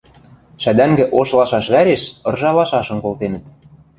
Шӓдӓнгӹ ош лашаш вӓреш ыржа лашашым колтенӹт.